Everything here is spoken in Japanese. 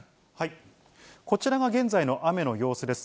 こちらが現在の雨の様子です。